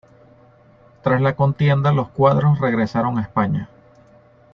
Tras la contienda los cuadros regresaron a España.